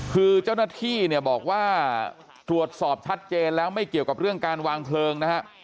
คือเจ้าหน้าที่เนี่ยบอกว่าตรวจสอบชัดเจนแล้วไม่เกี่ยวกับเรื่องการวางเพลิงนะฮะ